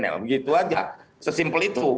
nah begitu aja sesimpel itu